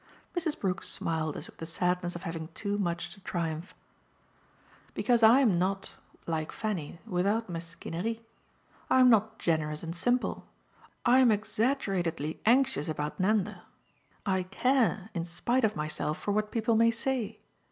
Mrs. Brook smiled as with the sadness of having too much to triumph. "Because I'm not, like Fanny, without mesquinerie. I'm not generous and simple. I'm exaggeratedly anxious about Nanda. I care, in spite of myself, for what people may say.